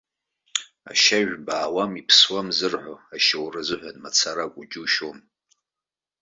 Ашьажә баауам иԥсуам зырҳәо ашьоура азыҳәан мацара акәу џьушьома.